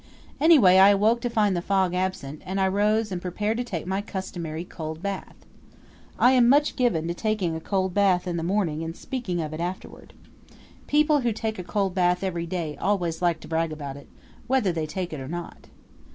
Anyway I woke to find the fog absent, and I rose and prepared to take my customary cold bath. I am much given to taking a cold bath in the morning and speaking of it afterward. People who take a cold bath every day always like to brag about it, whether they take it or not.